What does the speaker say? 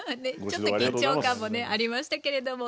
ちょっと緊張感もねありましたけれども。